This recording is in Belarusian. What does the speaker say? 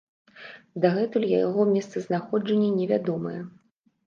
Дагэтуль яго месцазнаходжанне невядомае.